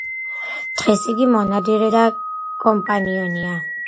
დღეს ის მონადირე და კომპანიონია.